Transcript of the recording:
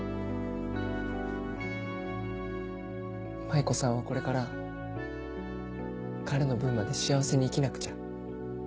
麻衣子さんはこれから彼の分まで幸せに生きなくちゃ。